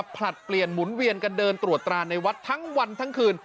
ผลัดเปลี่ยนหมุนเวียนกันเดินตรวจตราในวัดทั้งวันทั้งคืน